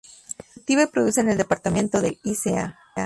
Se cultiva y produce en el departamento de Ica.